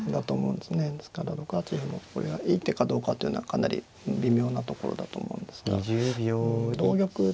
ですから６八歩もこれがいい手かどうかというのはかなり微妙なところだと思うんですが同玉と取ってみたい気もします。